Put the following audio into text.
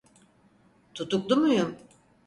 Tutuklu muyum?